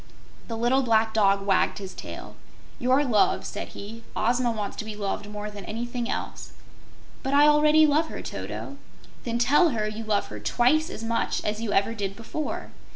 The little black dog wagged his tail. "Your love," said he. "Ozma wants to be loved more than anything else." "But I already love her, Toto!" "Then tell her you love her twice as much as you ever did before."